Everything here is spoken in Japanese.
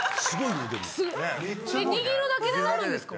握るだけで鳴るんですか？